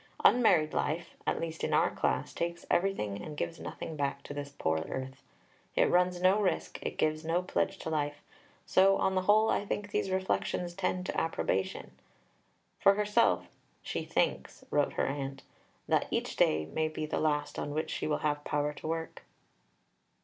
Unmarried life, at least in our class, takes everything and gives nothing back to this poor earth. It runs no risk, it gives no pledge to life. So, on the whole, I think these reflections tend to approbation." For herself she "thinks," wrote her aunt, "that each day may be the last on which she will have power to work."